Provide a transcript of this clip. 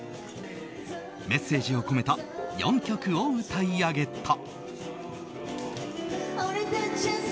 メッセージを込めた４曲を歌い上げた。